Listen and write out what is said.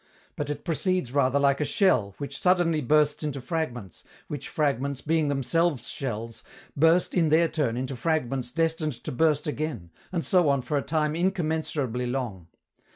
But it proceeds rather like a shell, which suddenly bursts into fragments, which fragments, being themselves shells, burst in their turn into fragments destined to burst again, and so on for a time incommensurably long.